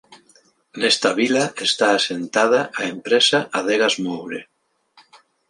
Nesta vila está asentada a empresa Adegas Moure.